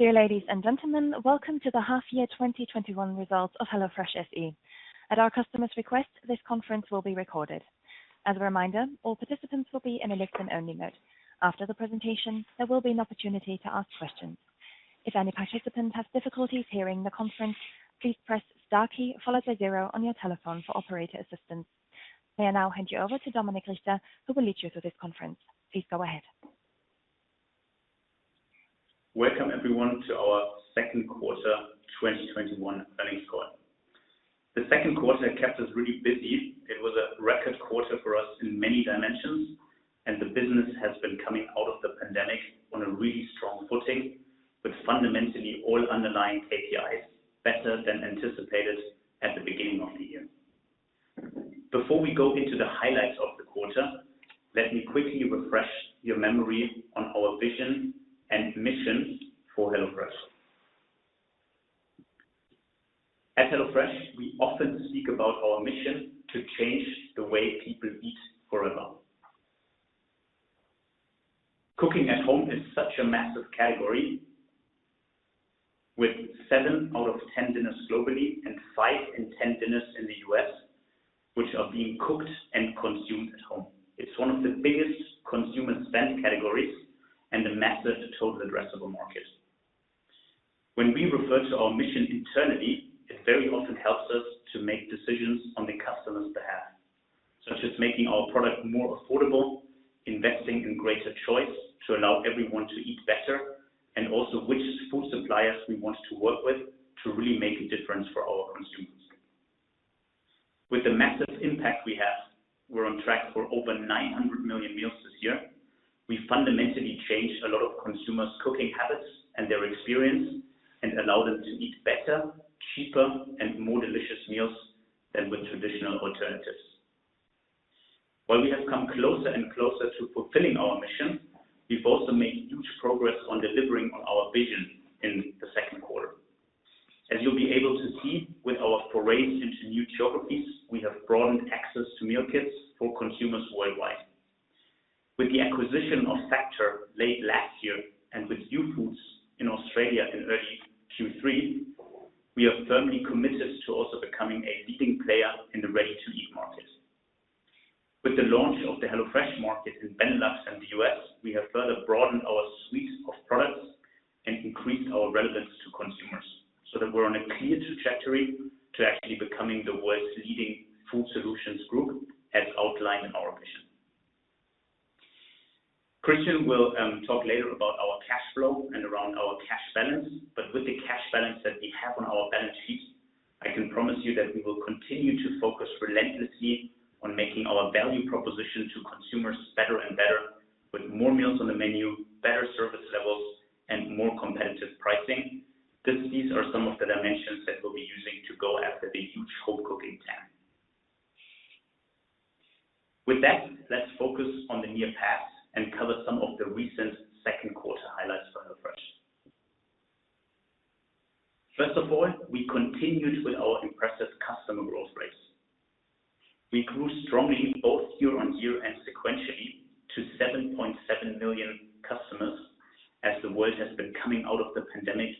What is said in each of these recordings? Dear ladies and gentlemen. Welcome to the half year 2021 results of HelloFresh SE. At our customers request. This conference will be recorded as a reminder. All participants will be in a listen-only mode. After the presentation, there will be an opportunity to ask questions. If any participants have difficulties hearing the conference, please press star key followed by zero on your telephone for operator assistance. May I now hand you over to Dominik Richter, who will lead you through this conference. Please go ahead. Welcome everyone to our second quarter 2021 earnings call. The second quarter kept us really busy. It was a record quarter for us in many dimensions. The business has been coming out of the pandemic on a really strong footing, with fundamentally all underlying KPIs better than anticipated at the beginning of the year. Before we go into the highlights of the quarter, let me quickly refresh your memory on our vision and mission for HelloFresh. At HelloFresh, we often speak about our mission to change the way people eat forever. Cooking at home is such a massive category, with seven out of 10 dinners globally and five in 10 dinners in the U.S., which are being cooked and consumed at home. It's one of the biggest consumer spend categories and a massive total addressable market. When we refer to our mission internally, it very often helps us to make decisions on the customer's behalf, such as making our product more affordable, investing in greater choice to allow everyone to eat better, and also which food suppliers we want to work with to really make a difference for our consumers. With the massive impact we have, we're on track for over 900 million meals this year. We fundamentally changed a lot of consumers' cooking habits and their experience, and allow them to eat better, cheaper, and more delicious meals than with traditional alternatives. While we have come closer and closer to fulfilling our mission, we've also made huge progress on delivering on our vision in the second quarter. As you'll be able to see with our forays into new geographies, we have broadened access to meal kits for consumers worldwide. With the acquisition of Factor late last year, with Youfoodz in Australia in early Q3, we are firmly committed to also becoming a leading player in the ready-to-eat market. With the launch of the HelloFresh Market in Benelux and the U.S., we have further broadened our suites of products and increased our relevance to consumers, that we're on a clear trajectory to actually becoming the world's leading food solutions group, as outlined in our vision. Christian will talk later about our cash flow and around our cash balance. With the cash balance that we have on our balance sheet, I can promise you that we will continue to focus relentlessly on making our value proposition to consumers better and better with more meals on the menu, better service levels, and more competitive pricing, because these are some of the dimensions that we'll be using to go after the huge home cooking TAM. With that, let's focus on the near past and cover some of the recent second quarter highlights for HelloFresh. First of all, we continued with our impressive customer growth rates. We grew strongly both year-on-year and sequentially to 7.7 million customers as the world has been coming out of the pandemic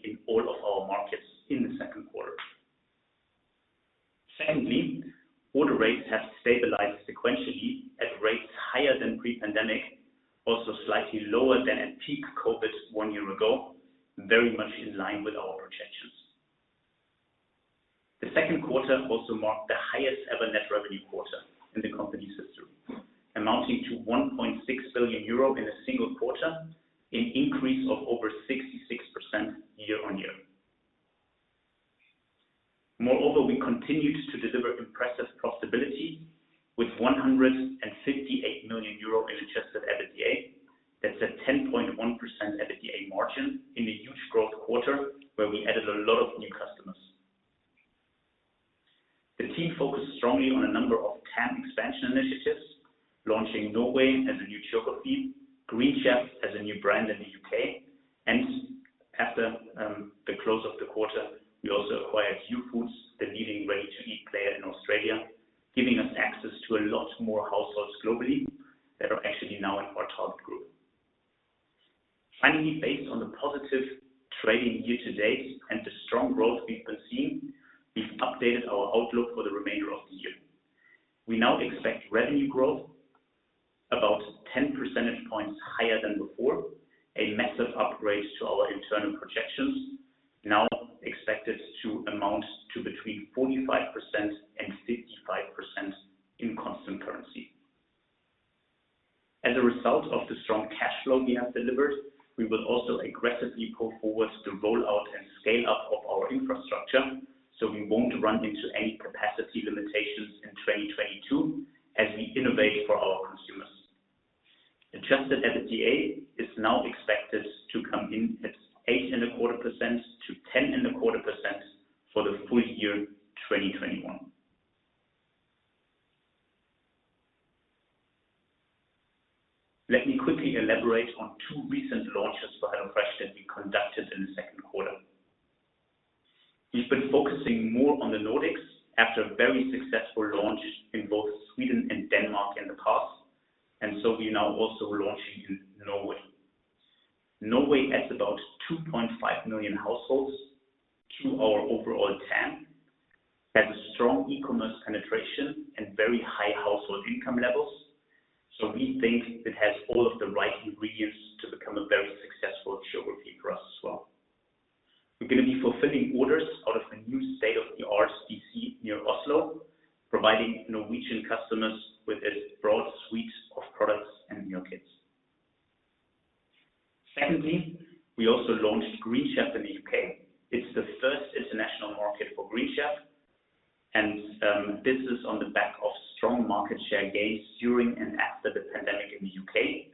after the pandemic in the U.K.,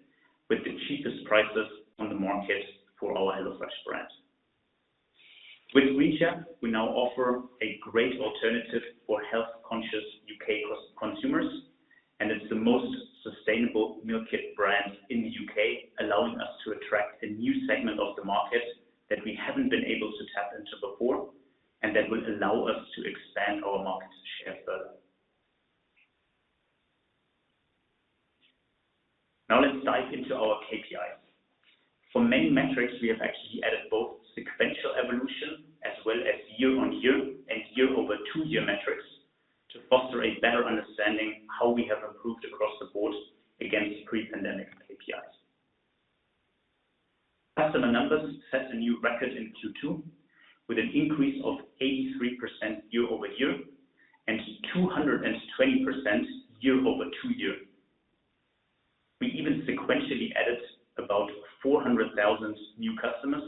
with the cheapest prices on the market for our HelloFresh brand. With Green Chef, we now offer a great alternative for health-conscious U.K. consumers, and it's the most sustainable meal kit brand in the U.K., allowing us to attract a new segment of the market that we haven't been able to tap into before, and that will allow us to expand our market share further. Now let's dive into our KPIs. For main metrics, we have actually added both sequential evolution as well as year-on-year and year-over-two-year metrics to foster a better understanding how we have improved across the board against pre-pandemic KPIs. Customer numbers set a new record in Q2 with an increase of 83% year-over-year and 220% year-over-two-year. We even sequentially added about 400,000 new customers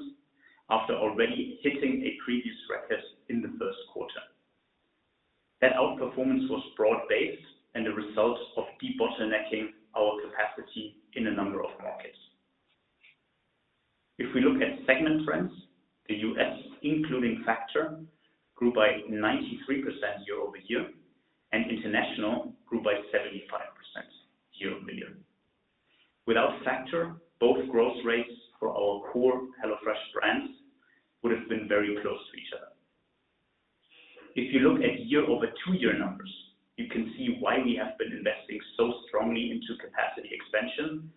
after already hitting a previous record in the first quarter. That outperformance was broad-based and a result of debottlenecking our capacity in a number of markets. If we look at segment trends, the U.S. including Factor grew by 93% year-over-year, and international grew by 75% year-over-year. Without Factor, both growth rates for our core HelloFresh brands would have been very close to each other. If you look at year-over-two-year numbers, you can see why we have been investing so strongly into capacity expansion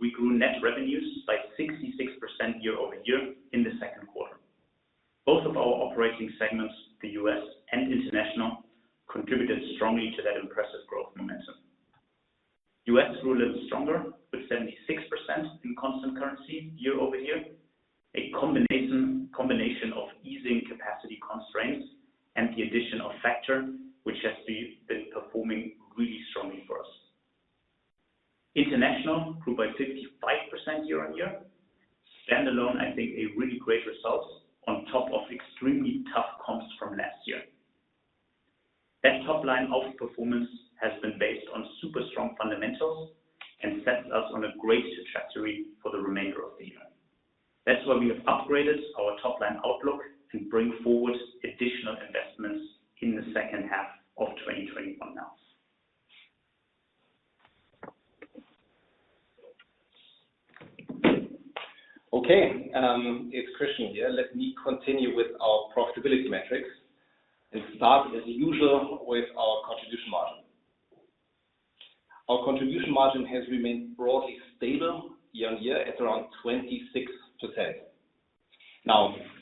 we grew net revenues by 66% year-over-year in the second quarter. Both of our operating segments, the U.S. and international, contributed strongly to that impressive growth momentum. U.S. grew a little stronger with 76% in constant currency year-over-year. A combination of easing capacity constraints and the addition of Factor, which has been performing really strongly for us. International grew by 55% year-on-year. Standalone, I think a really great result on top of extremely tough comps from last year. That top-line outperformance has been based on super strong fundamentals and sets us on a great trajectory for the remainder of the year. That's why we have upgraded our top-line outlook to bring forward additional investments in the second half of 2021 now. Okay. It's Christian Gärtner here. Let me continue with our profitability metrics and start as usual with our contribution margin. Our contribution margin has remained broadly stable year-on-year at around 26%.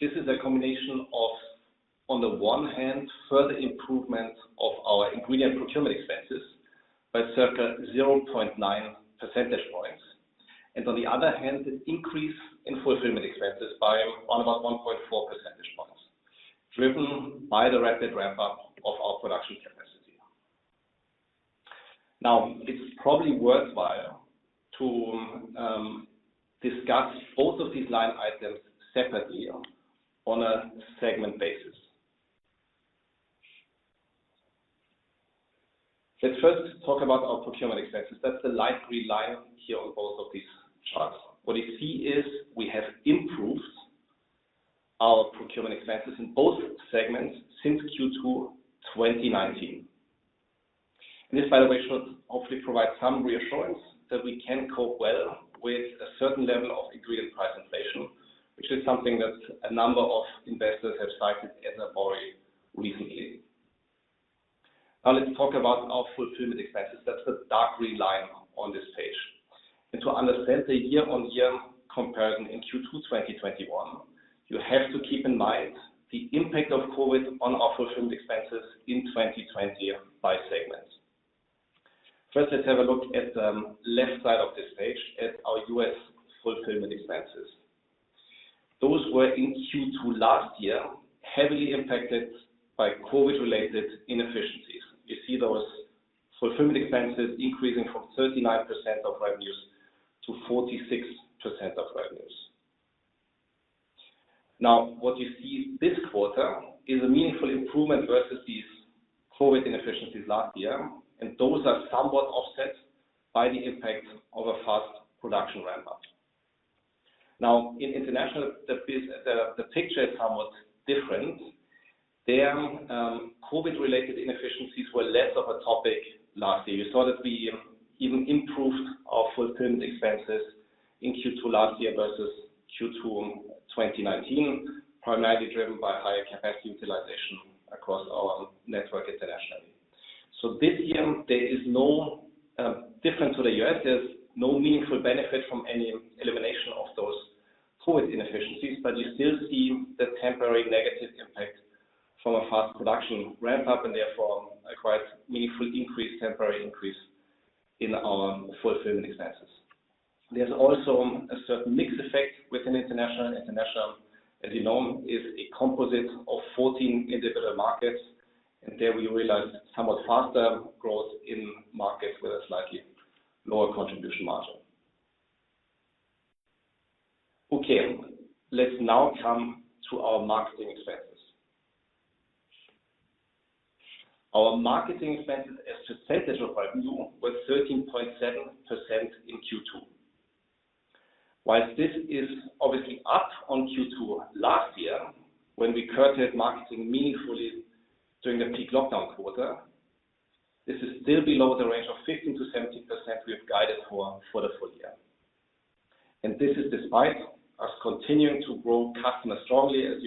This is a combination of, on the one hand, further improvement of our ingredient procurement expenses by circa 0.9 percentage points. On the other hand, an increase in fulfillment expenses by about 1.4 percentage points, driven by the rapid ramp-up of our production capacity. It is probably worthwhile to discuss both of these line items separately on a segment basis. Let's first talk about our procurement expenses. That's the light green line here on both of these charts. What you see is we have improved our procurement expenses in both segments since Q2 2019. This, by the way, should hopefully provide some reassurance that we can cope well with a certain level of ingredient price inflation, which is something that a number of investors have cited in the board recently. Let's talk about our fulfillment expenses. That's the dark green line on this page. To understand the year-on-year comparison in Q2 2021, you have to keep in mind the impact of COVID on our fulfillment expenses in 2020 by segments. First, let's have a look at the left side of this page at our U.S. fulfillment expenses. Those were, in Q2 last year, heavily impacted by COVID-related inefficiencies. You see those fulfillment expenses increasing from 39% of revenues to 46% of revenues. What you see this quarter is a meaningful improvement versus these COVID inefficiencies last year, and those are somewhat offset by the impact of a fast production ramp-up. In international, the picture is somewhat different. There, COVID-related inefficiencies were less of a topic last year. You saw that we even improved our fulfillment expenses in Q2 last year versus Q2 2019, primarily driven by higher capacity utilization across our network internationally. This year, there is no different to the U.S. There's no meaningful benefit from any elimination of those COVID inefficiencies, you still see the temporary negative impact from a fast production ramp-up, and therefore a quite meaningful increase, temporary increase, in our fulfillment expenses. There's also a certain mix effect within international. International, as you know, is a composite of 14 individual markets, there we realized somewhat faster growth in markets with a slightly lower contribution margin. Let's now come to our marketing expenses. Our marketing expenses as percentage of revenue were 13.7% in Q2. While this is obviously up on Q2 last year, when we curtailed marketing meaningfully during the peak lockdown quarter, this is still below the range of 15%-17% we have guided for the full year. This is despite us continuing to grow customers strongly, as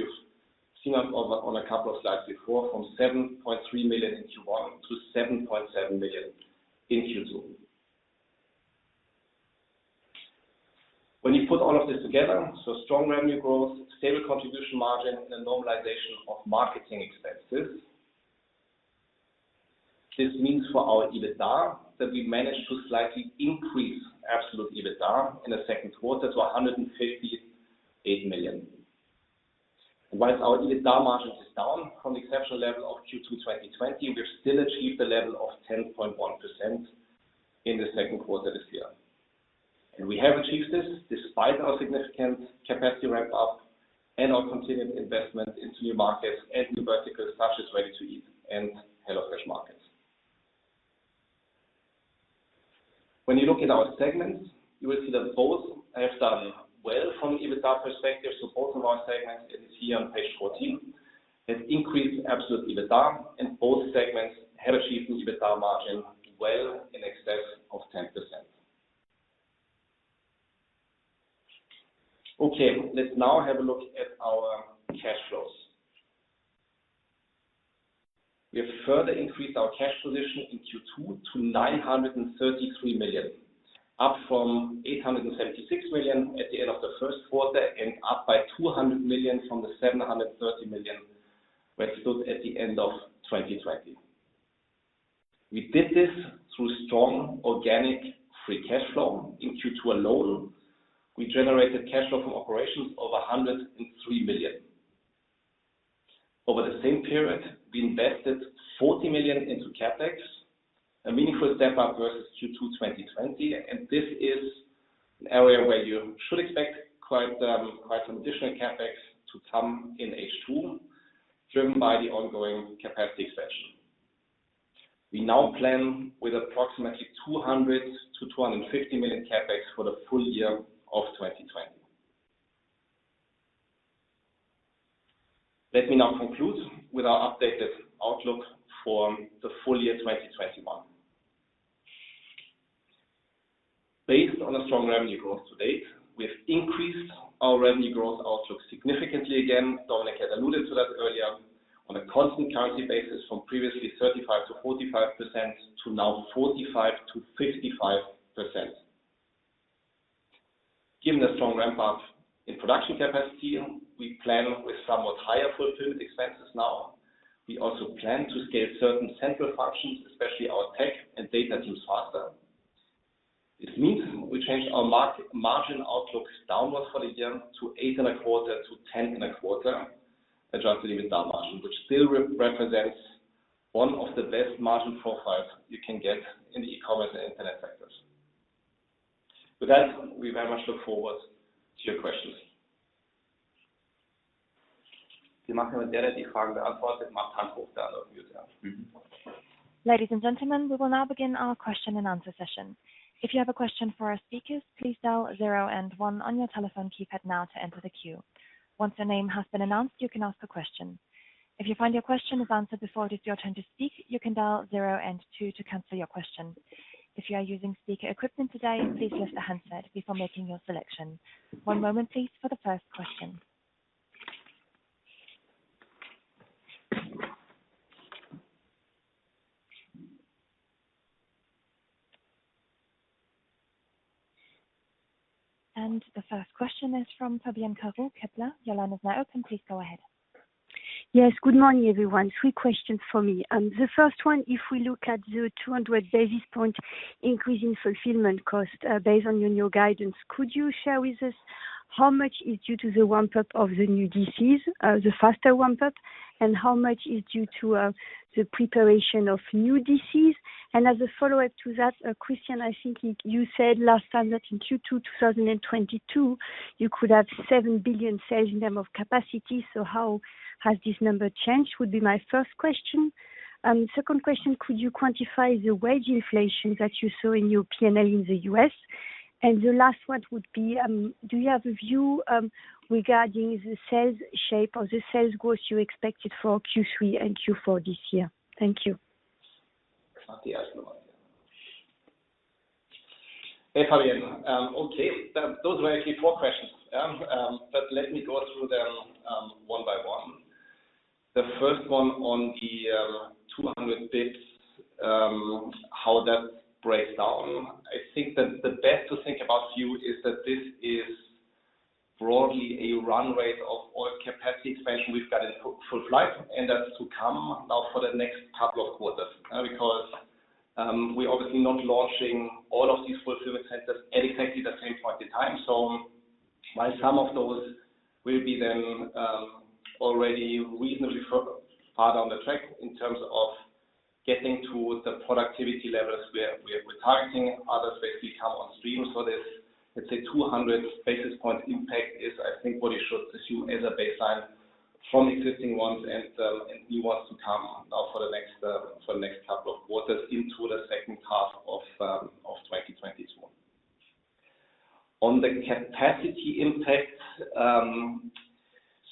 you've seen on a couple of slides before, from 7.3 million in Q1 to 7.7 million in Q2. When you put all of this together, so strong revenue growth, stable contribution margin, and a normalization of marketing expenses, this means for our EBITDA that we managed to slightly increase absolute EBITDA in the second quarter to 158 million. Whilst our EBITDA margin is down from the exceptional level of Q2 2020, we've still achieved a level of 10.1% in the second quarter this year. We have achieved this despite our significant capacity ramp-up and our continued investment into new markets and new verticals, such as ready-to-eat and HelloFresh Markets. When you look at our segments, you will see that both have done well from an EBITDA perspective. Both of our segments, it is here on page 14, have increased absolute EBITDA, and both segments have achieved an EBITDA margin well in excess of 10%. Okay, let's now have a look at our cash flows. We have further increased our cash position in Q2 to $933 million, up from $876 million at the end of the first quarter and up by $200 million from the $730 million we stood at the end of 2020. We did this through strong organic free cash flow. In Q2 alone, we generated cash flow from operations over $103 million. Over the same period, we invested 40 million into CapEx, a meaningful step-up versus Q2 2020. This is an area where you should expect quite some additional CapEx to come in H2 driven by the ongoing capacity expansion. We now plan with approximately 200 million-250 million CapEx for the full year of 2020. Let me now conclude with our updated outlook for the full year 2021. Based on a strong revenue growth to date, we have increased our revenue growth outlook significantly again. Dominik had alluded to that earlier. On a constant currency basis from previously 35%-45%, to now 45%-55%. Given the strong ramp-up in production capacity, we plan with somewhat higher fulfillment expenses now. We also plan to scale certain central functions, especially our tech and data teams, faster. This means we change our margin outlook downwards for the year to 8.25%-10.25% adjusted EBITDA margin, which still represents one of the best margin profiles you can get in the e-commerce and internet sectors. With that, we very much look forward to your questions. Ladies and gentlemen, we will now begin our question and answer session. If you have a question for our speakers, please dial zero and one on your telephone keypad now to enter the queue. Once your name has been announced, you can ask a question. If you find your question is answered before it is your turn to speak, you can dial zero and two to cancel your question. If you are using speaker equipment today, please lift the handset before making your selection. One moment please for the first question. The first question is from Fabienne Caron, Kepler Cheuvreux. Your line is now open. Please go ahead. Yes. Good morning, everyone. Three questions from me. The first one, if we look at the 200 basis point increase in fulfillment cost, based on your new guidance, could you share with us how much is due to the ramp-up of the new DCs, the faster ramp-up? How much is due to the preparation of new DCs? As a follow-up to that, Christian, I think you said last time that in Q2 2022, you could have 7 billion sales in term of capacity. How has this number changed, would be my first question. Second question, could you quantify the wage inflation that you saw in your P&L in the U.S.? The last one would be, do you have a view regarding the sales shape or the sales growth you expected for Q3 and Q4 this year? Thank you. Hey, Fabienne. Okay. Those were actually four questions. Let me go through them one by one. The first one on the 200 basis points, how that breaks down. I think that the best to think about here is that this is broadly a run rate of all capacity expansion we've got in full flight, and that's to come now for the next couple of quarters. We're obviously not launching all of these fulfillment centers at exactly the same point in time. While some of those will be then already reasonably far down the track in terms of getting to the productivity levels where we're targeting, others basically come on stream. This, let's say, 200 basis point impact is, I think, what you should assume as a baseline from existing ones and new ones to come now for the next couple of quarters into the second half of 2022. On the capacity impact,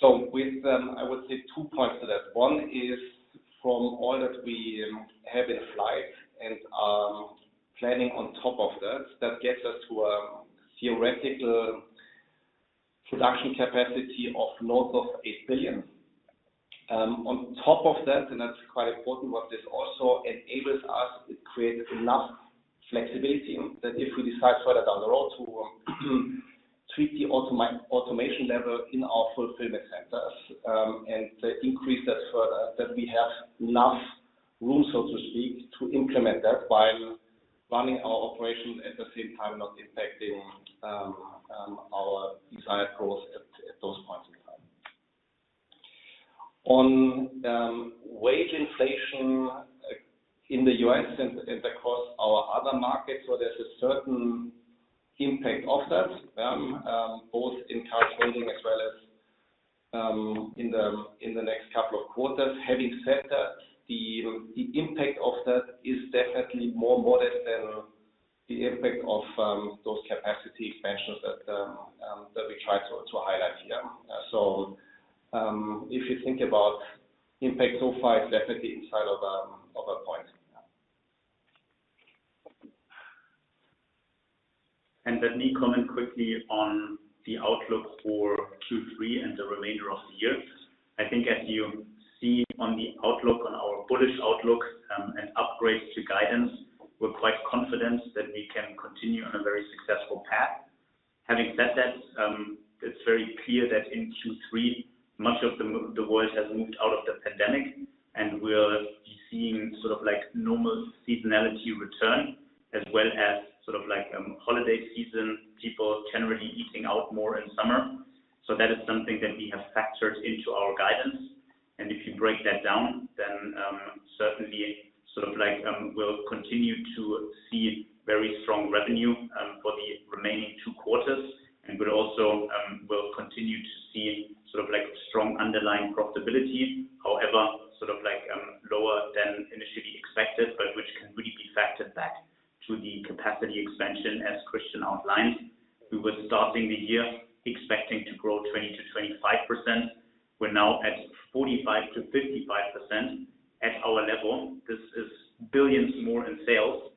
so with, I would say, two points to that. One is from all that we have in flight and are planning on top of that gets us to a theoretical production capacity of north of 8 billion. On top of that, and that's quite important, what this also enables us, it creates enough flexibility that if we decide further down the road to treat the automation level in our fulfillment centers, and increase that further, that we have enough room, so to speak, to implement that while running our operation at the same time, not impacting our desired growth at those points in time. On wage inflation in the U.S. and across our other markets, so there's a certain impact of that both in current trading as well as in the next couple of quarters. Having said that, the impact of that is definitely more modest than the impact of those capacity expansions that we try to highlight here. So if you think about impact so far, it's definitely inside of a point. Let me comment quickly on the outlook for Q3 and the remainder of the year. I think as you see on the outlook, on our bullish outlook, and upgrades to guidance, we're quite confident that we can continue on a very successful path. Having said that, it's very clear that in Q3, much of the world has moved out of the pandemic, and we'll be seeing normal seasonality return as well as holiday season, people generally eating out more in summer. That is something that we have factored into our guidance. If you break that down, then certainly, we'll continue to see very strong revenue for the remaining two quarters and we'll continue to see strong underlying profitability. However, lower than initially expected, but which can really be factored back to the capacity expansion as Christian outlined. We were starting the year expecting to grow 20%-25%. We're now at 45%-55% at our level. This is billions more in sales.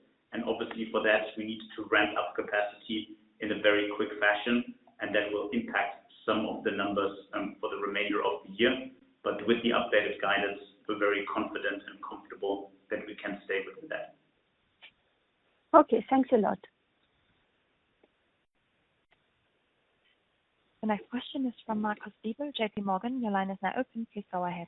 Obviously for that we need to ramp up capacity in a very quick fashion, and that will impact some of the numbers for the remainder of the year. With the updated guidance, we're very confident and comfortable that we can stay within that. Okay, thanks a lot. The next question is from Marcus Diebel, JPMorgan. Your line is now open, please go ahead.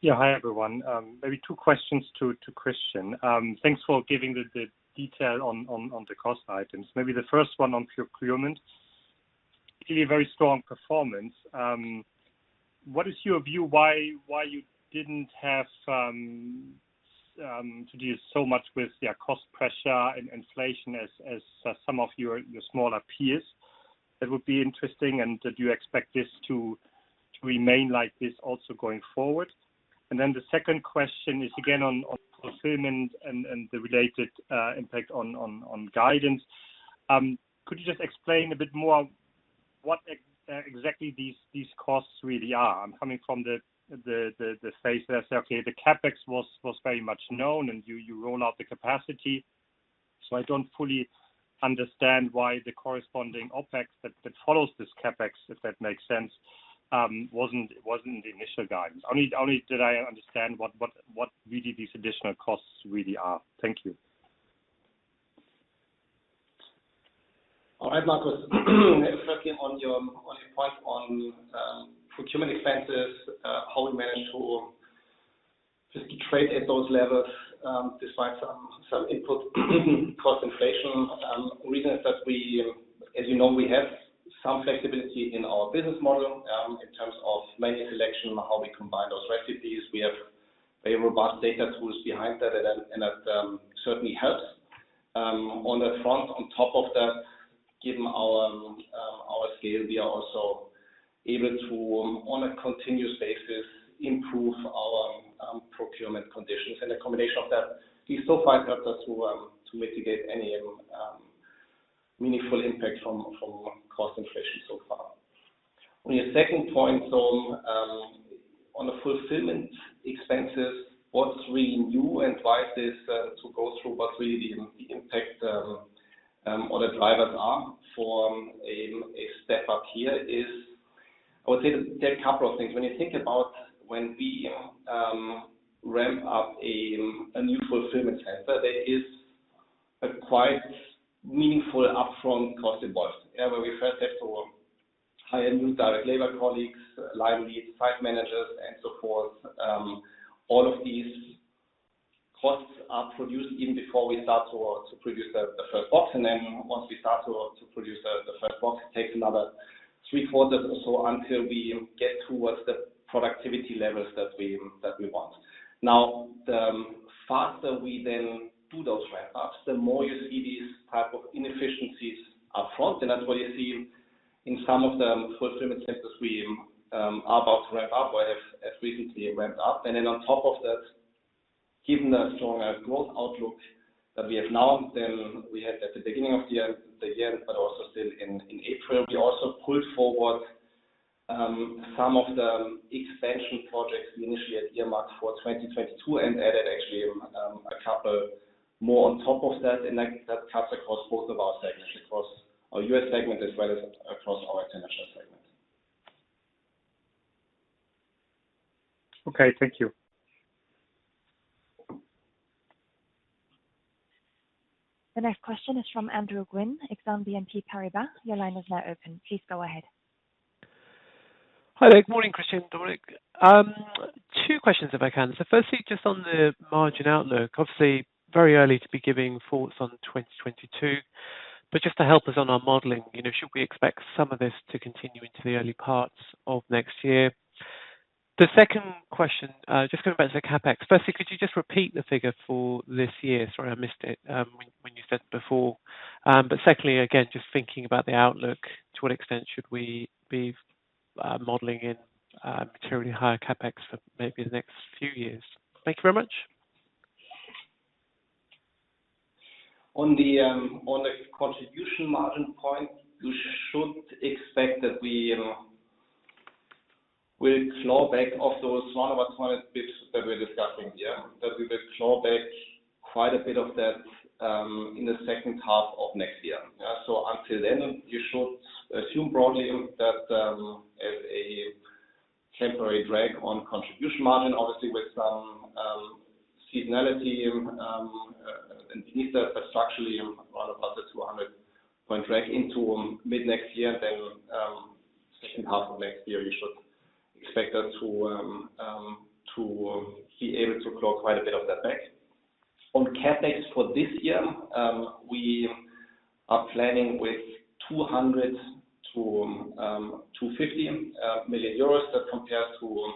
Yeah. Hi, everyone. Maybe two questions to Christian. Thanks for giving the detail on the cost items. Maybe the first one on procurement. Clearly very strong performance. What is your view why you didn't have to do so much with cost pressure and inflation as some of your smaller peers? That would be interesting. Do you expect this to remain like this also going forward? The second question is again on fulfillment and the related impact on guidance. Could you just explain a bit more what exactly these costs really are? I'm coming from the space that say, okay, the CapEx was very much known and you roll out the capacity, so I don't fully understand why the corresponding OpEx that follows this CapEx, if that makes sense, wasn't in the initial guidance. Only that I understand what really these additional costs really are. Thank you. All right, Marcus. Firstly on your point on procurement expenses, how we manage to just trade at those levels, despite some input cost inflation. Reason is that, as you know, we have some flexibility in our business model, in terms of menu selection, how we combine those recipes. We have very robust data tools behind that and that certainly helps. On that front, on top of that, given our scale, we are also able to, on a continuous basis, improve our procurement conditions. A combination of that we still find helpful to mitigate any meaningful impact from cost inflation so far. On your second point on the fulfillment expenses, what's really new and why this to go through what really the impact or the drivers are for a step up here is, I would say there are a couple of things. When you think about when we ramp up a new fulfillment center, there is a quite meaningful upfront cost involved, where we hire new direct labor colleagues, line leads, site managers and so forth. All of these costs are produced even before we start to produce the first box. Once we start to produce the first box, it takes another three, four days or so until we get towards the productivity levels that we want. The faster we then do those ramp ups, the more you see these type of inefficiencies up front. That's what you see in some of the fulfillment centers we are about to ramp up or have as recently ramped up. On top of that, given the stronger growth outlook that we have now than we had at the beginning of the year, but also still in April, we also pulled forward some of the expansion projects we initially had earmarked for 2022 and added actually a couple more on top of that. That cuts across both of our segments, across our U.S. segment as well as across our international segments. Okay, thank you. The next question is from Andrew Gwynn, Exane BNP Paribas. Your line is now open. Please go ahead. Hi there. Good morning, Christian, Dominik. Two questions if I can. Firstly, just on the margin outlook, obviously very early to be giving thoughts on 2022, but just to help us on our modeling, should we expect some of this to continue into the early parts of next year? The second question, just going back to the CapEx. Firstly, could you just repeat the figure for this year? Sorry, I missed it when you said it before. Secondly, again, just thinking about the outlook, to what extent should we be modeling in materially higher CapEx for maybe the next few years? Thank you very much. On the contribution margin point, you should expect that we'll claw back of those 200, about 200 basis points that we're discussing here, that we will claw back quite a bit of that in the second half of next year. Until then, you should assume broadly that as a temporary drag on contribution margin, obviously with some seasonality underneath that, but structurally around about a 200 basis point drag into mid-next year. Second half of next year, you should expect us to be able to claw quite a bit of that back. On CapEx for this year, we are planning with 200 million-250 million euros as compared to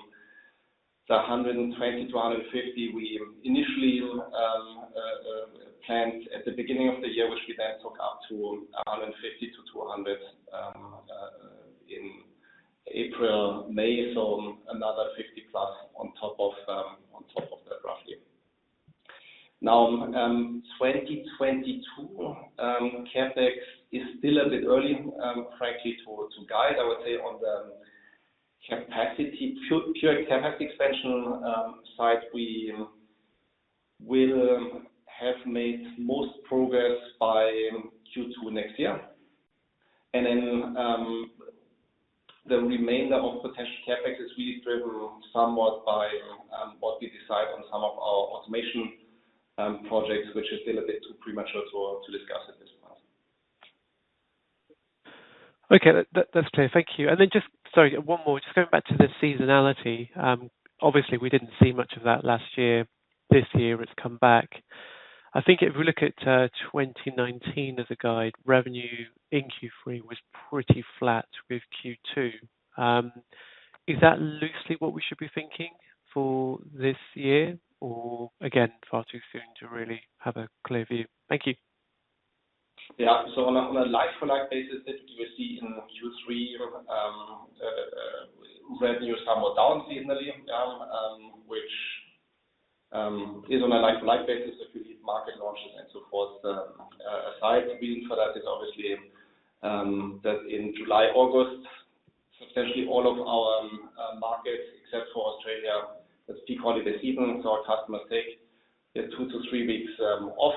the 120 million-150 million we initially planned at the beginning of the year, which we then took up to 150 million-200 million in April, May. Another +50 million on top of that roughly. 2022 CapEx is still a bit early, frankly, to guide, I would say, on the capacity, pure capacity expansion side, we will have made most progress by Q2 next year. The remainder of potential CapEx is really driven somewhat by what we decide on some of our automation projects, which is still a bit too premature to discuss at this point. Okay, that's clear. Thank you. Then just, sorry, one more. Just going back to the seasonality. Obviously, we didn't see much of that last year. This year it's come back. I think if we look at 2019 as a guide, revenue in Q3 was pretty flat with Q2. Is that loosely what we should be thinking for this year or again, far too soon to really have a clear view? Thank you. Yeah. On a like-for-like basis that you will see in Q3, revenue is somewhat down seasonally, which is on a like-for-like basis if you leave market launches and so forth aside. The reason for that is obviously that in July, August, essentially all of our markets except for Australia, it's peak holiday season, so our customers take two to three weeks off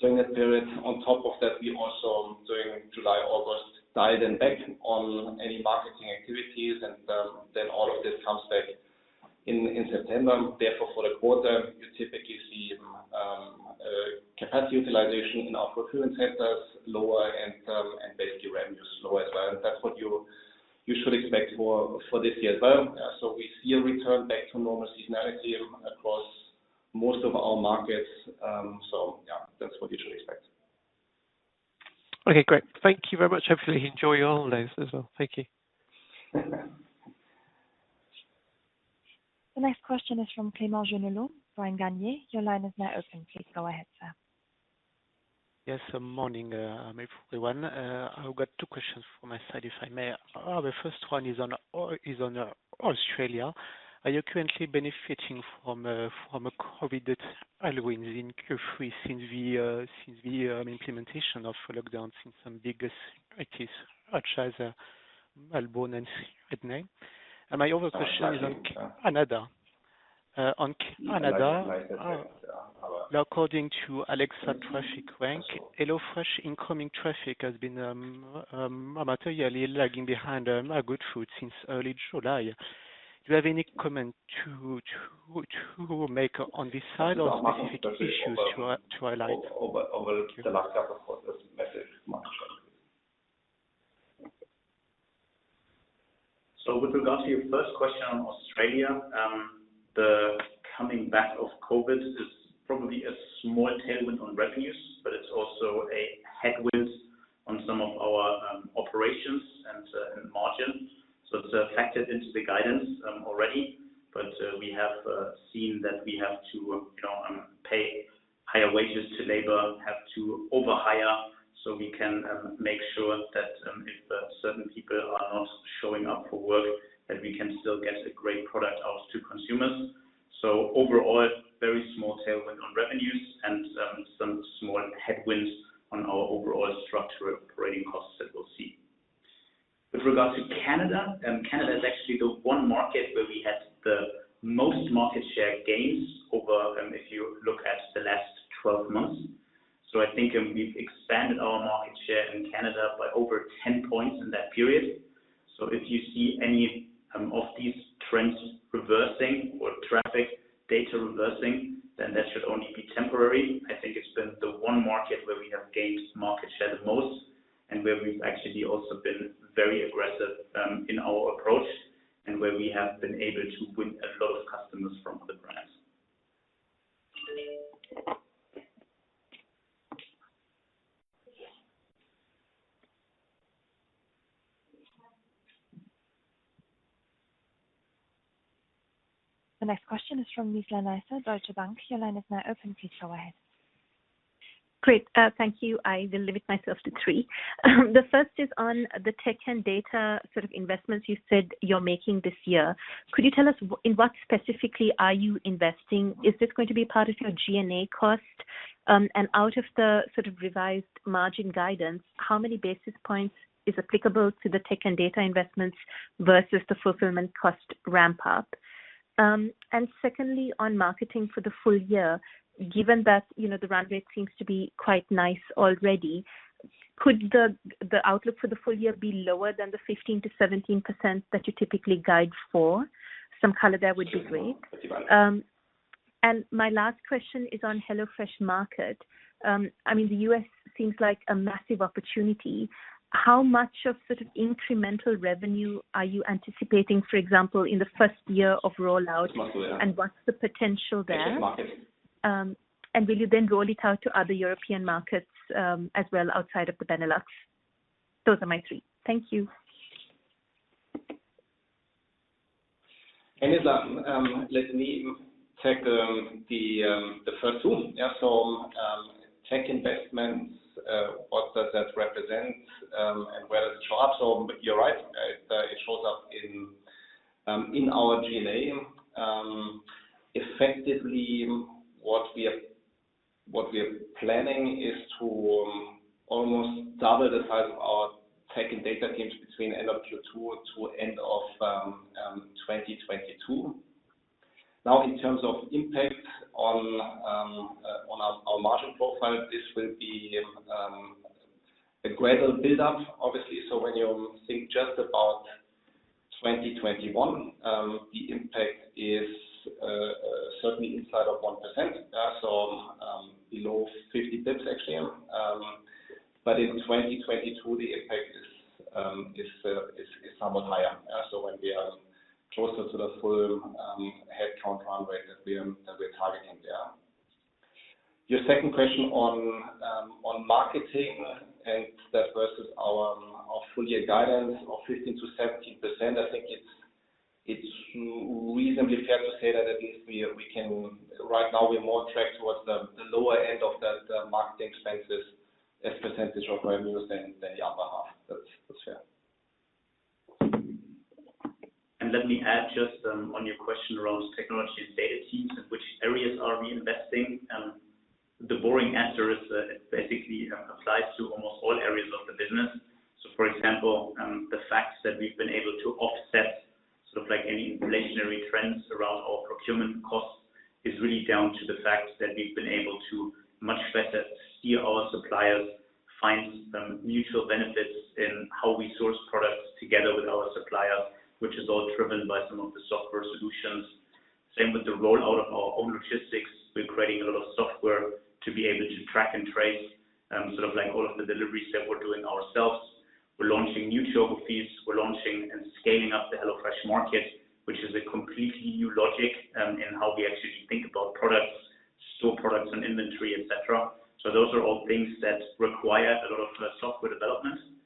during that period. On top of that, we also, during July, August, dialed them back on any marketing activities and then all of this comes back in September. For the quarter, you typically see capacity utilization in our fulfillment centers lower and basically revenue is lower as well. That's what you should expect for this year as well. We see a return back to normal seasonality across most of our markets. Yeah, that's what you should expect. Okay, great. Thank you very much. Hopefully you enjoy your holidays as well. Thank you. You as well. The next question is from Clément Genelot, Bryan Garnier. Your line is now open. Please go ahead, sir. Yes. Morning, everyone. I've got two questions from my side, if I may. The first one is on Australia. Are you currently benefiting from a COVID tailwind in Q3 since the implementation of lockdown since some biggest cities, such as Melbourne and Sydney? My other question is on Canada. On Canada, according to Alexa traffic rank, HelloFresh incoming traffic has been materially lagging behind Goodfood since early July. Do you have any comment to make on this side or specific issues to highlight? Over the last couple of quarters, massive margin. With regard to your first question on Australia, the coming back of COVID is probably a small tailwind on revenues, but it's also a headwind on some of our operations and margins. It's factored into the guidance already. We have seen that we have to pay higher wages to labor, have to over-hire so we can make sure that if certain people are not showing up for work, that we can still get a great product out to consumers. Overall, a very small tailwind on revenues and some small headwinds on our overall structure of operating costs that we'll see. With regard to Canada is actually the one market where we had the most market share gains over, if you look at the last 12 months. I think we've expanded our market share in Canada by over 10 points in that period. If you see any of these trends reversing or traffic data reversing, then that should only be temporary. I think it's been the one market where we have gained market share the most and where we've actually also been very aggressive in our approach and where we have been able to win a lot of customers from other brands. The next question is from Nizla Naizer, Deutsche Bank. Your line is now open. Please go ahead. Great. Thank you. I will limit myself to three. The first is on the tech and data sort of investments you said you're making this year. Could you tell us in what specifically are you investing? Is this going to be part of your G&A cost? Out of the sort of revised margin guidance, how many basis points is applicable to the tech and data investments versus the fulfillment cost ramp-up? Secondly, on marketing for the full year, given that the run rate seems to be quite nice already, could the outlook for the full year be lower than the 15%-17% that you typically guide for? Some color there would be great. Sure. My last question is on HelloFresh Market. I mean, the U.S. seems like a massive opportunity. How much of sort of incremental revenue are you anticipating, for example, in the first year of rollout and what's the potential there? In market. Will you then roll it out to other European markets as well outside of the Benelux? Those are my three. Thank you. Hey, Nizla. Let me take the first two. Tech investments, what does that represent and where does it show up? You're right, it shows up in our G&A. Effectively, what we are planning is to almost double the size of our tech and data teams between end of Q2 to end of 2022. In terms of impact on our margin profile, this will be a gradual build-up, obviously. When you think just about 2021, the impact is certainly inside of 1%, below 50 basis points actually. In 2022, the impact is somewhat higher. When we are closer to the full headcount runway that we are targeting there. Your second question on marketing and that versus our full year guidance of 15%-17%, I think it's reasonably fair to say that right now we're more tracked towards the lower end of the marketing expenses as a percentage of revenues than the upper half. That's fair. Let me add just on your question around technology and data teams, in which areas are we investing? For example, the fact that we've been able to offset any inflationary trends around our procurement costs is really down to the fact that we've been able to much better steer our suppliers, find some mutual benefits in how we source products together with our suppliers, which is all driven by some of the software solutions. Same with the rollout of our own logistics. We're creating a lot of software to be able to track and trace all of the deliveries that we're doing ourselves. We're launching new geographies. We're launching and scaling up the HelloFresh Market, which is a completely new logic in how we actually think about products, store products and inventory, et cetera. Those are all things that require a lot of software development.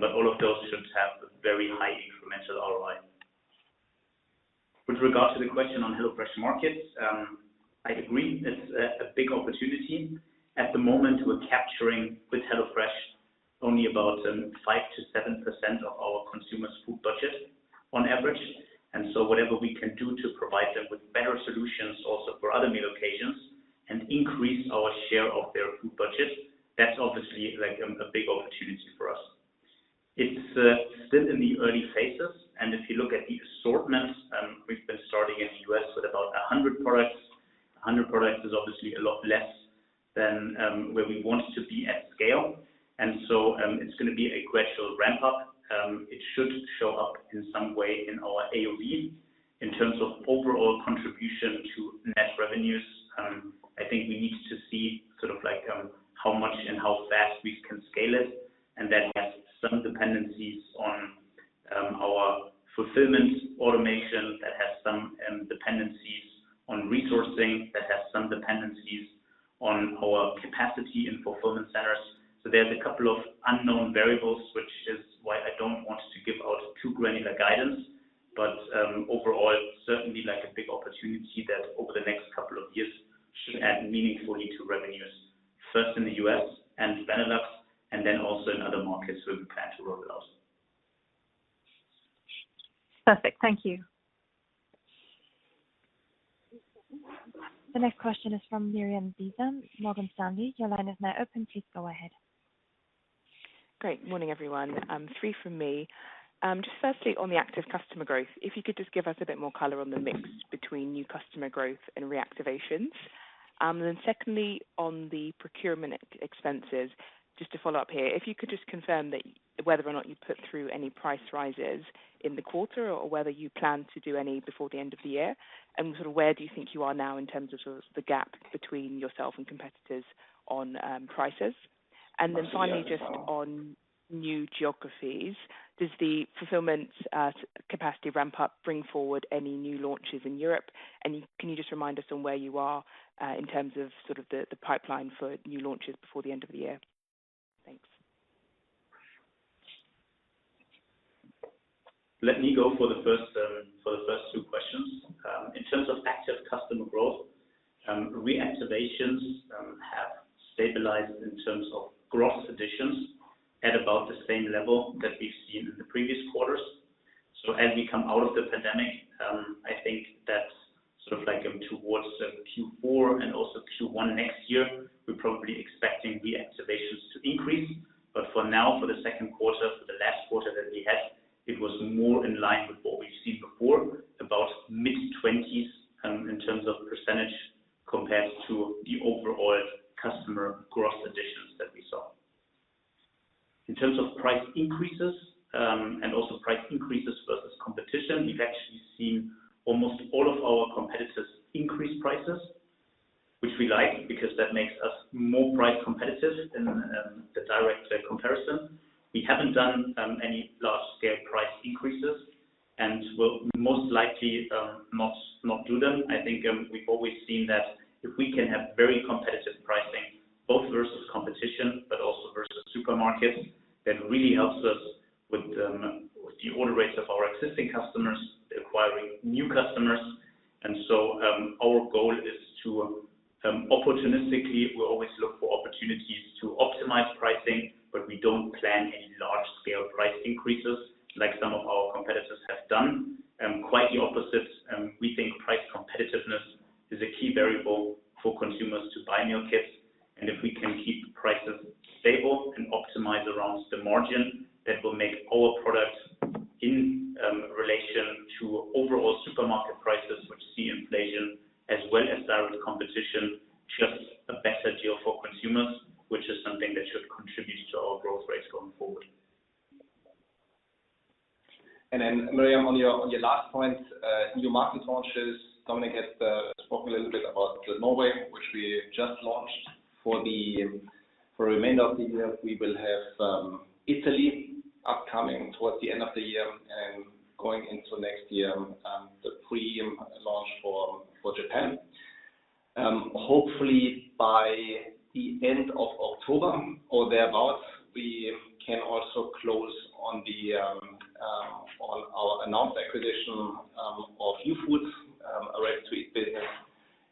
But all of those systems have a very high incremental ROI. With regard to the question on HelloFresh Markets, I agree it's a big opportunity. At the moment, we're capturing with HelloFresh only about 5%-7% of our consumers' food budget on average. Whatever we can do to provide them with better solutions also for other meal occasions and increase our share of their food budget, that's obviously a big opportunity for us. It's still in the early phases, and if you look at the assortments, we've been starting in the U.S. with about 100 products. 100 products is obviously a lot less than where we want to be at scale. It's going to be a gradual ramp-up. It should show up in some way in our AOV. In terms of overall contribution to net revenues, I think we need to see how much and how fast we can scale it, and that has some dependencies on our fulfillment automation, that has some dependencies on resourcing, that has some dependencies on our capacity in fulfillment centers. There's a couple of unknown variables, which is why I don't want to give out too granular guidance. Overall, certainly a big opportunity that over the next couple of years should add meaningfully to revenues, first in the U.S. and Benelux, and then also in other markets where we plan to roll it out. Perfect. Thank you. The next question is from Miriam Beeson, Morgan Stanley. Your line is now open. Please go ahead. Great. Morning, everyone. Three from me. Firstly, on the active customer growth, if you could just give us a bit more color on the mix between new customer growth and reactivations. Secondly, on the procurement expenses, just to follow up here, if you could just confirm whether or not you put through any price rises in the quarter or whether you plan to do any before the end of the year, and where do you think you are now in terms of the gap between yourself and competitors on prices? I see. Yeah. Finally, just on new geographies, does the fulfillment capacity ramp-up bring forward any new launches in Europe? Can you just remind us on where you are in terms of the pipeline for new launches before the end of the year? Thanks. Let me go for the first two questions. In terms of active customer growth, reactivations have stabilized in terms of gross additions at about the same level that we've seen in the previous quarters. As we come out of the pandemic, I think that towards Q4 and also Q1 next year, we're probably expecting reactivations to increase. For now, for the second quarter,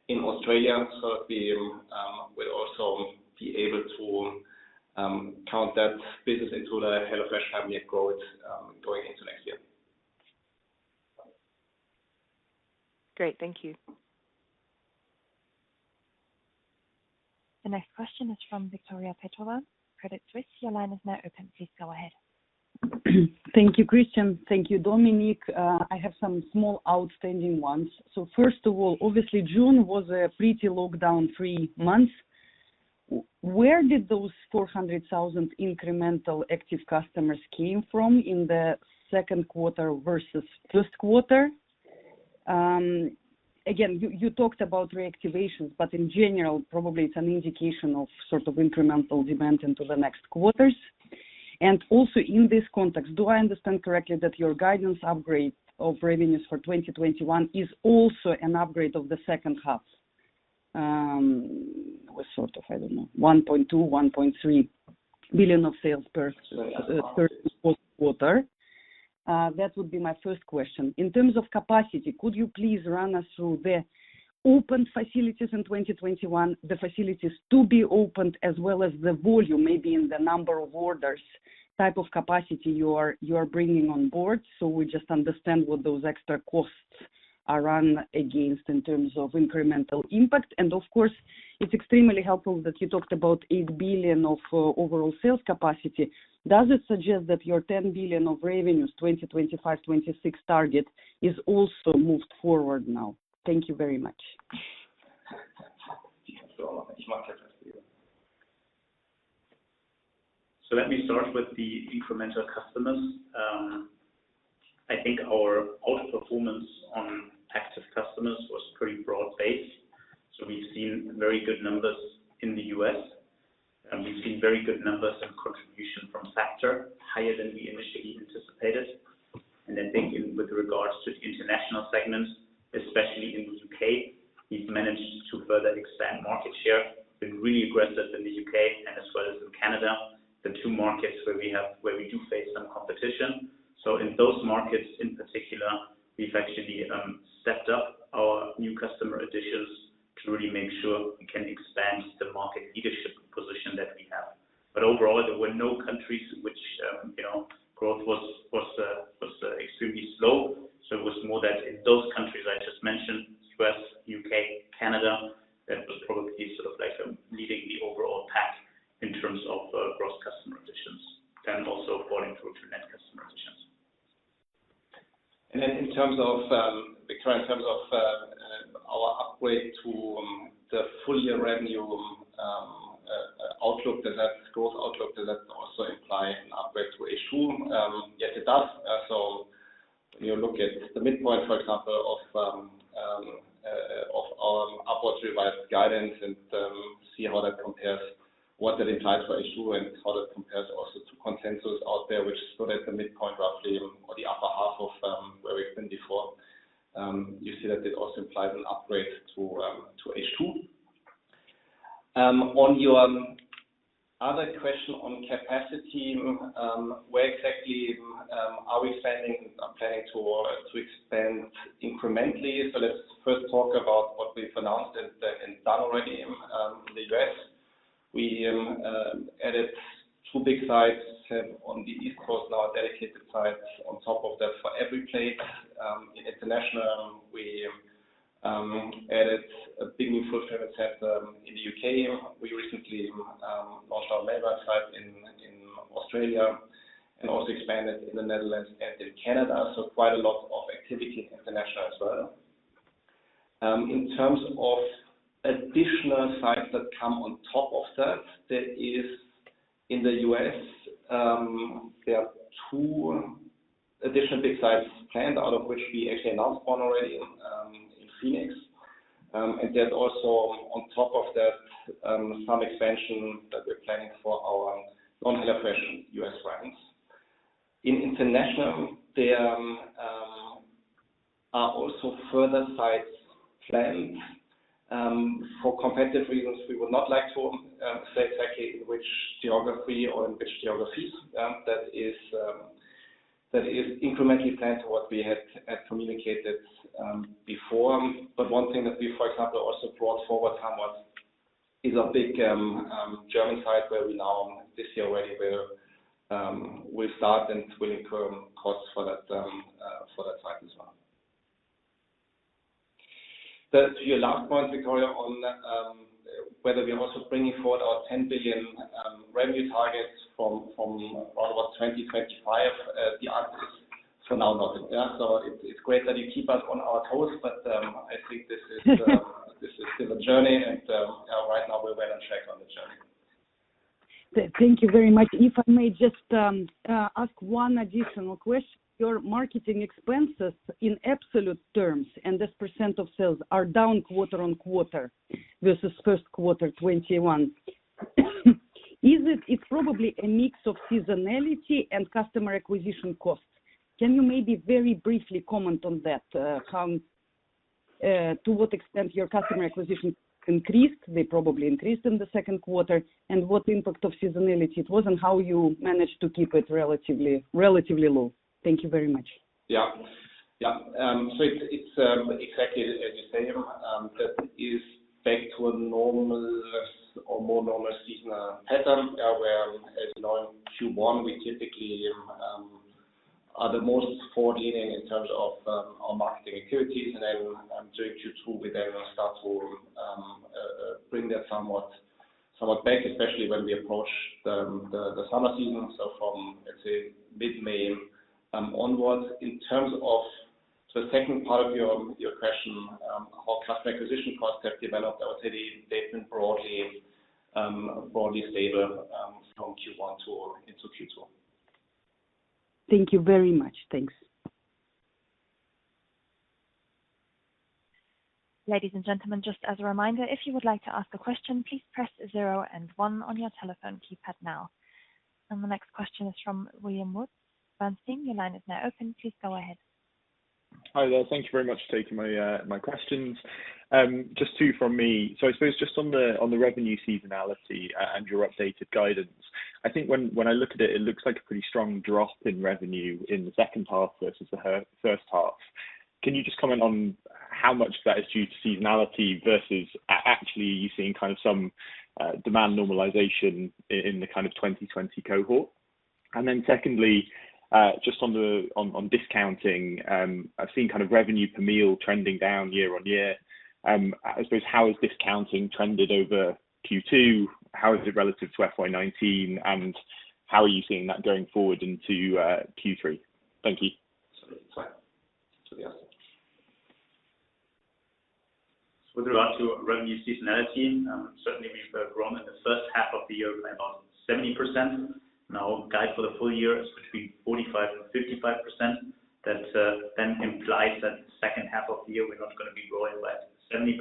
in Australia. We will also be able to count that business into the HelloFresh family of growth going into next year. Great. Thank you. The next question is from Viktoria Petrova, Credit Suisse. Your line is now open. Please go ahead. Thank you, Christian. Thank you, Dominik. I have some small outstanding ones. First of all, obviously June was a pretty lockdown-free months. Where did those 400,000 incremental active customers came from in the second quarter versus first quarter? You talked about reactivations, but in general, probably it's an indication of incremental demand into the next quarters. Also in this context, do I understand correctly that your guidance upgrade of revenues for 2021 is also an upgrade of the second half? Was sort of, I don't know, 1.2 billion-1.3 billion of sales per quarter. That would be my first question. In terms of capacity, could you please run us through the open facilities in 2021, the facilities to be opened, as well as the volume, maybe in the number of orders type of capacity you are bringing on board so we just understand what those extra costs are run against in terms of incremental impact. Of course, it's extremely helpful that you talked about 8 billion of overall sales capacity. Does it suggest that your 10 billion of revenues 2025, 2026 target is also moved forward now? Thank you very much. Let me start with the incremental customers. I think our outperformance on active customers was pretty broad-based. We've seen very good numbers in the U.S., and we've seen very good numbers and contribution from Factor, higher than we initially anticipated. I think with regards to international segments, especially in the U.K., we've managed to further expand market share. We've been really aggressive in the U.K. and as well as in Canada, the two markets where we do face some competition. In those markets in particular, we've actually stepped up our new customer additions to really make sure we can expand the market leadership position that we have. Overall, there were no countries which growth was extremely slow. It was more that in those countries I just mentioned, U.S., U.K., Canada, that was probably leading the overall pack in terms of gross customer additions, then also falling through to net customer additions. Viktoria, in terms of our upgrade to the full year revenue outlook, does that growth outlook, does that also imply an upgrade to H2? Yes, it does. You look at the midpoint, for example, of our upwards revised guidance and see how that compares, what that implies for H2 and how that compares also to consensus out there, which is still at the midpoint roughly or the upper half of where we've been before. You see that it also implies an upgrade to H2. On your other question on capacity, where exactly are we planning to expand incrementally? Let's first talk about what we've announced and done already in the U.S. We added two big sites on the East Coast, now dedicated sites on top of that for EveryPlate. In international, we added a big new fulfillment center in the U.K. We recently launched our latest site in Australia and also expanded in the Netherlands and in Canada. Quite a lot of activity international as well. In terms of additional sites that come on top of that is in the U.S. there are two additional big sites planned, out of which we actually announced one already in Phoenix. Also on top of that, some expansion that we're planning for our non-HelloFresh U.S. brands. In international, there are also further sites planned. For competitive reasons, we would not like to say exactly in which geography or in which geographies that is incrementally planned to what we had communicated before. One thing that we, for example, also brought forward somewhat is a big German site where we now, this year already, will start and it will incur costs for that site as well. To your last point, Viktoria Petrova, on whether we are also bringing forward our 10 billion revenue targets from about 2025. The answer is for now, not yet. It's great that you keep us on our toes, but I think this is still a journey and right now we're well on track on the journey. Thank you very much. If I may just ask one additional question. Your marketing expenses in absolute terms and as percent of sales are down quarter-on-quarter versus first quarter 2021. Is it probably a mix of seasonality and customer acquisition costs? Can you maybe very briefly comment on that, Hans? To what extent your customer acquisition increased, they probably increased in the second quarter, and what impact of seasonality it was and how you managed to keep it relatively low. Thank you very much. It's exactly as you say. That is back to a more normal seasonal pattern where, as you know, in Q1, we typically are the most forward-leaning in terms of our marketing activities, and then during Q2, we then start to bring that somewhat back, especially when we approach the summer season, so from, let's say, mid-May onwards. In terms of the second part of your question, how customer acquisition costs have developed, I would say they've been broadly stable from Q1 into Q2. Thank you very much. Thanks. Ladies and gentlemen, just as a reminder, if you would like to ask a question, please press zero and one on your telephone keypad now. The next question is from William Woods, Bernstein. William, your line is now open. Please go ahead. Hi there. Thank you very much for taking my questions. Just two from me. I suppose just on the revenue seasonality and your updated guidance, I think when I look at it looks like a pretty strong drop in revenue in the second half versus the first half. Can you just comment on how much of that is due to seasonality versus actually are you seeing some demand normalization in the kind of 2020 cohort? Secondly, just on discounting, I've seen revenue per meal trending down year-on-year. I suppose, how has discounting trended over Q2? How is it relative to FY 2019, and how are you seeing that going forward into Q3? Thank you. With regard to revenue seasonality, certainly we've grown in the first half of the year by about 70%. Guide for the full year is between 45% and 55%. Implies that second half of the year, we're not going to be growing at 70%,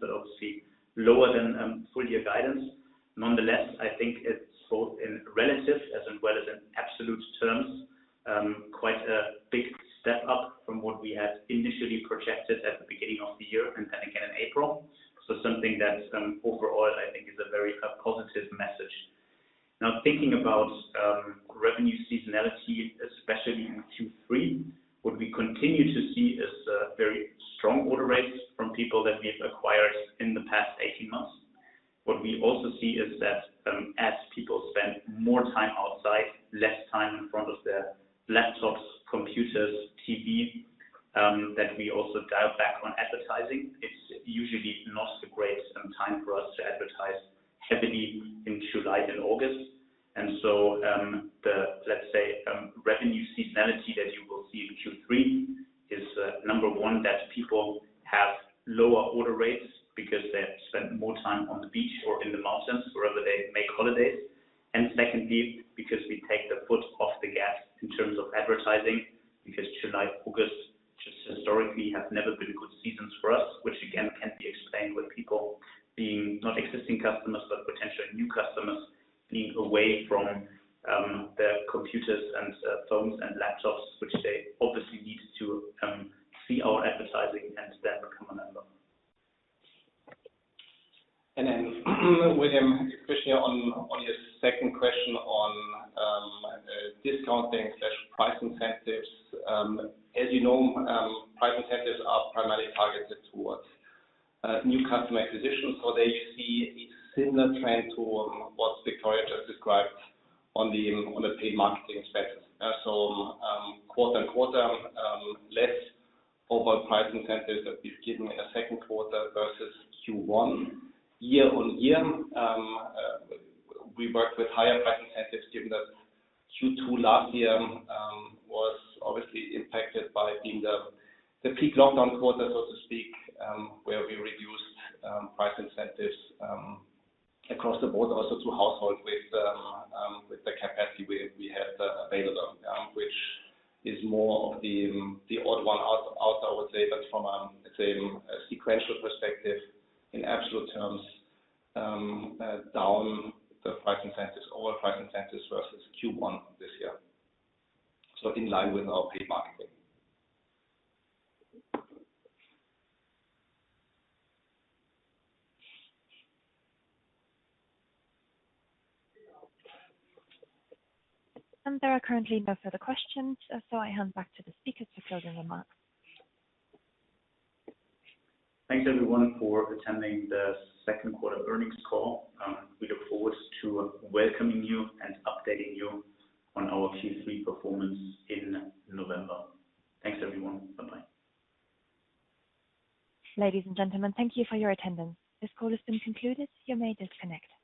but obviously lower than full year guidance. Nonetheless, I think it's both in relative as in well as in absolute terms, quite a big step up from what we had initially projected at the beginning of the year and then again in April. Something that overall I think is a very positive message. Thinking about revenue seasonality, especially in Q3, what we continue to see is very strong order rates from people that we have acquired in the past 18 months. What we also see is that as people spend more time outside, less time in front of their laptops, computers, TV, that we also dial back on advertising. It's usually not a great time for us to advertise heavily in July and August. The, let's say, revenue seasonality that you will see in Q3 is, number one, that people have lower order rates because they have spent more time on the beach or in the mountains, wherever they make holidays. Secondly, because we take the foot off the gas in terms of advertising, because July, August just historically have never been good seasons for us, which again, can be explained with people being non-existing customers, but potentially new customers being away from their computers and phones and laptops, which they obviously need to see our advertising and then become a member. William, especially on your second question on discounting/price incentives. As you know, price incentives are primarily targeted towards new customer acquisition. There you see a similar trend to what Viktoria just described on the paid marketing spend. Quarter-on-quarter, less overall price incentives that we've given in the second quarter versus Q1. Year-on-year, we worked with higher price incentives given that Q2 last year was obviously impacted by being the peak lockdown quarter, so to speak, where we reduced price incentives across the board also to household with the capacity we had available, which is more of the odd one out, I would say. From a sequential perspective in absolute terms, down the price incentives, all price incentives versus Q1 this year. In line with our paid marketing. There are currently no further questions, so I hand back to the speakers for closing remarks. Thanks, everyone, for attending the second quarter earnings call. We look forward to welcoming you and updating you on our Q3 performance in November. Thanks, everyone. Bye-bye. Ladies and gentlemen, thank you for your attendance. This call has been concluded. You may disconnect.